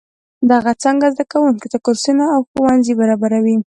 دغه څانګه زده کوونکو ته کورسونه او ښوونځي برابروي.